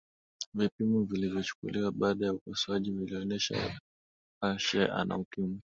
vipimo vilivyochukuliwa baada ya upasuaji vilionesha ashe ana ukimwi